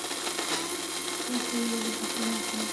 شفافه اداره د فساد مخه نیسي